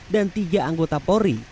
dan tiga anggota pori